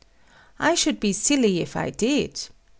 I should be silly if I did.